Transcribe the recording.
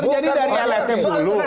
itu kan terjadi dari lsm dulu